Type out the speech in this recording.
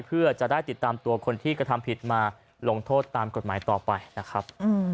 เพื่อจะได้ติดตามตัวคนที่กระทำผิดมาลงโทษตามกฎหมายต่อไปนะครับ